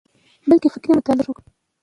بلکي فکري مطالعه شروع کړه،